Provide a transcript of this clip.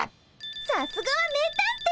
さすがは名探偵！